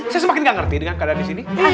saya semakin gak ngerti dengan kakak disini